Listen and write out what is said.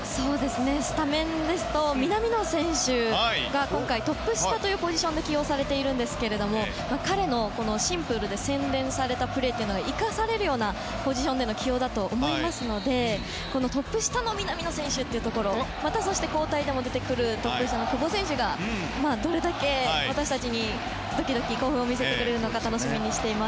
スタメンですと南野選手が今回トップ下というポジションで起用されているんですが彼のシンプルで洗練されたプレーというのが生かされるようなポジションでの起用だと思いますのでこのトップ下の南野選手やまた、そして交代でも出てくるトップ下の久保選手がどれだけ私たちにドキドキ興奮を見せてくれるのか楽しみにしています。